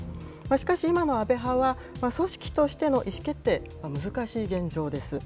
しかし今の安倍派は、組織としての意思決定、難しい現状です。